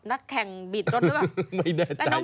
นักแข่งบิดรถหรือเปล่าไม่แน่ใจ